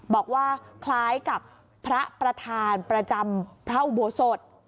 บอกว่าคล้ายกับพระประธานประจำพระอุโบสถ